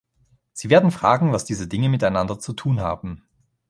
Sie werden fragen, was diese Dinge miteinander zu tun haben.